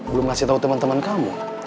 belum ngasih tahu teman teman kamu